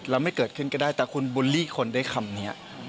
แล้วไม่เกิดขึ้นก็ได้แต่คุณบุลลี่คนด้วยคำนี้